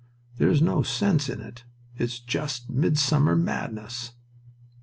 There is no sense in it. It's just midsummer madness!"